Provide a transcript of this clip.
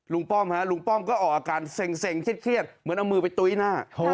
ป้อมฮะลุงป้อมก็ออกอาการเซ็งเครียดเหมือนเอามือไปตุ้ยหน้า